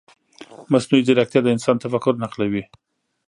مصنوعي ځیرکتیا د انسان تفکر نقلوي.